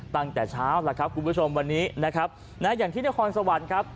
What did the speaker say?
ตั้งแต่เช้าแล้วครับคุณผู้ชมวันนี้นะครับนะอย่างที่นครสวรรค์ครับ